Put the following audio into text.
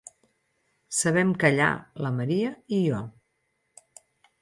Sabem callar, la Maria i jo.